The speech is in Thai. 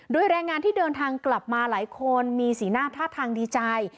โดยแรงงานที่เดินทางกลับมาหลายคนมีสีหน้าท่าทางดีใจ